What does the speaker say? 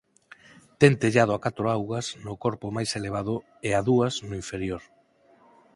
Ten tellado a catro augas no corpo máis elevado e a dúas no inferior.